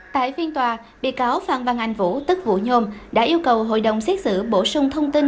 tại phiên tòa bị cáo phan văn anh vũ tức vũ nhôm đã yêu cầu hội đồng xét xử bổ sung thông tin